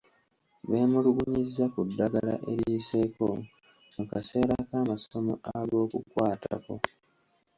Beemulugunyizza ku ddagala eriyiseeko mu kaseera k'amasomo ag'okukwatako.